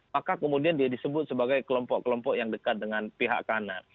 maka kemudian dia disebut sebagai kelompok kelompok yang dekat dengan pihak kanan